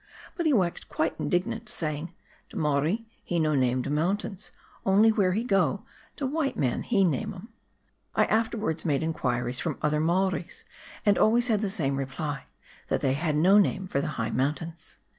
But he waxed quite indignant, sajong —" De Maori, he no name de mountains, only where he go, de white man he name 'em." I afterwards made inquiries from other Maoris, and always had the same reply, that they had no name for the high mountains.